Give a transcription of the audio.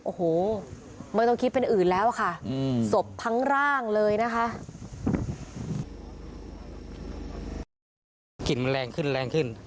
โอ้โหมันต้องคิดเป็นอื่นแล้วค่ะสบทั้งร่างเลยนะคะ